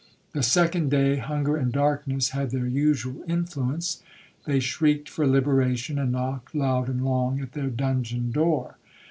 The second day hunger and darkness had their usual influence. They shrieked for liberation, and knocked loud and long at their dungeon door.